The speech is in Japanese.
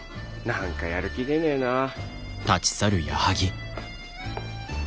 何かやる気出ねえなぁ。